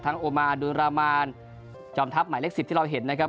โอมาดูรามานจอมทัพหมายเลข๑๐ที่เราเห็นนะครับ